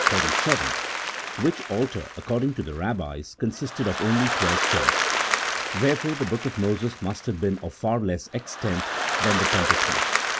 37), which altar, according to the Eabbis, consisted of only twelve stones : therefore the book of Moses must have been of far less extent than the Pentateuch.